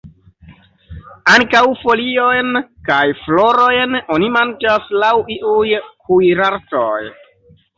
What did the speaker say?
Ankaŭ foliojn kaj florojn oni manĝas laŭ iuj kuirartoj.